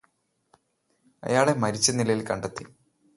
അയാളെ മരിച്ച നിലയില് കണ്ടെത്തി